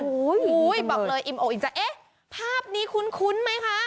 อุ๊ยบอกเลยอิมโออินจะเอ๊ะภาพนี้คุ้นไหมคะ